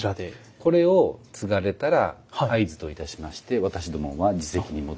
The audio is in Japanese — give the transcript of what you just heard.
これをつがれたら合図といたしまして私どもは自席に戻ります。